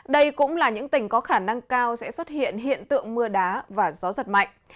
đây cũng là những tỉnh có khả năng cao sẽ xuất hiện hiện tượng mưa đá và gió giật mạnh